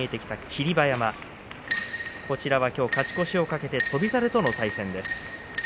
霧馬山、こちらはきょう勝ち越しを懸けて翔猿との対戦です。